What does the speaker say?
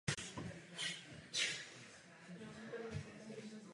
Jako chalífa nebyl všeobecně uznán.